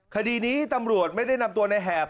คดีนี้ตำรวจไม่ได้นำตัวในแหบ